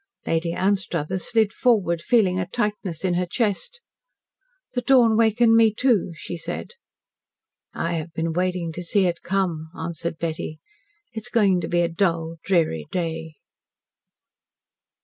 Lady Anstruthers slid forward, feeling a tightness in her chest. "The dawn wakened me too," she said. "I have been waiting to see it come," answered Betty. "It is going to be a dull, dreary day."